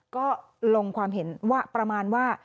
ก็ลงความเห็นว่าประมาณว่า